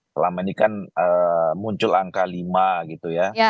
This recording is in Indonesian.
selama ini kan muncul angka lima gitu ya